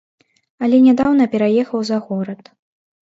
Але нядаўна пераехаў за горад.